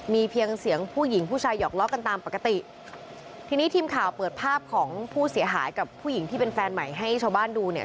มีเพียงเสียงผู้หญิงผู้ชายหอกล้อกันตามปกติทีนี้ทีมข่าวเปิดภาพของผู้เสียหายกับผู้หญิงที่เป็นแฟนใหม่ให้ชาวบ้านดูเนี่ย